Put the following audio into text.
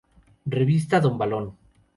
Revista Don Balón.